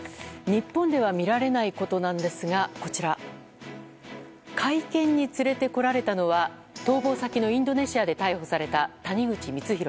日本では見られないことなんですがこちら会見に連れてこられたのは逃亡先のインドネシアで逮捕された谷口光弘